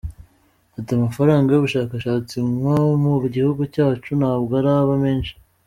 Ati “Amafaranga y’ubushakshatsi nko mu gihugu cyacu ntabwo araba menshi.